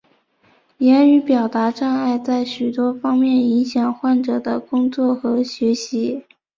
言语表达障碍在许多方面影响患者的工作和学习。